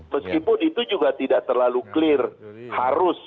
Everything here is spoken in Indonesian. meskipun itu juga tidak terlalu clear harus